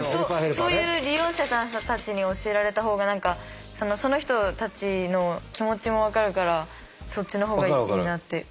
そういう利用者さんたちに教えられたほうがその人たちの気持ちも分かるからそっちの方がいいなって。